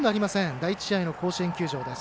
第１試合の甲子園球場です。